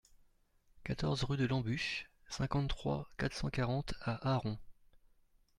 quatorze rue de l'Embûche, cinquante-trois, quatre cent quarante à Aron